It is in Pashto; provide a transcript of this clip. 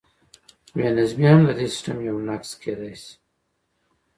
بې نظمي هم د دې سیسټم یو نقص کیدی شي.